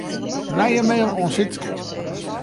Nije mail oan Sytske.